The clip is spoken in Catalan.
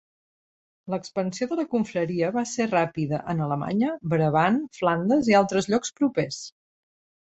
L'expansió de la confraria va ésser ràpida en Alemanya, Brabant, Flandes i altres llocs propers.